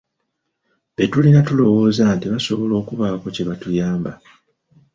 Be tulina tulowooza nti basobola okubaako kye batuyamba.